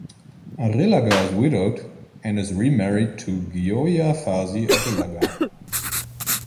Arrillaga is widowed, and is remarried to Gioia Fasi Arrillaga.